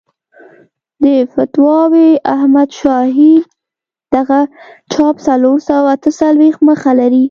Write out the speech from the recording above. د فتاوی احمدشاهي دغه چاپ څلور سوه اته څلوېښت مخه لري.